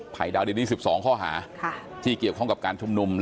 ภัยดาวดินที่๑๒ข้อหาที่เกี่ยวกับการชุมนุม